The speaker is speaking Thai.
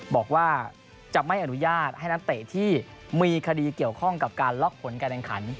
บอกว่าจะไม่อนุญาตให้นักเตะที่มีคดีเกี่ยวข้องกับการล็อกผลการแข่งขัน